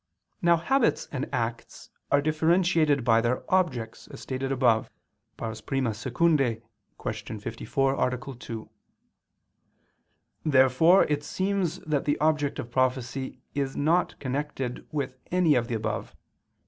Now habits and acts are differentiated by their objects, as stated above (I II, Q. 54, A. 2). Therefore it seems that the object of prophecy is not connected with any of the above.